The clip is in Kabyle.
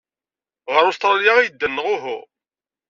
Ɣer Ustṛalya ay ddan, neɣ uhu?